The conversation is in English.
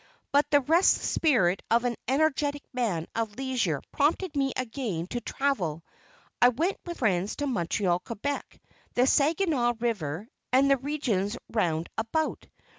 But the restless spirit of an energetic man of leisure prompted me again to travel. I went with friends to Montreal, Quebec, the Saginaw River, and the regions round about.